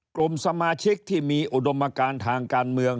กลุ่มสมาชิกที่มีอุดมการทางการเมือง